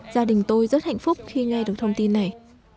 gia đình tôi rất hạnh phúc khi nghe được thông tin này